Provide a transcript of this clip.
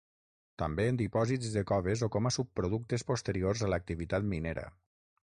També en dipòsits de coves o com a subproductes posteriors a l'activitat minera.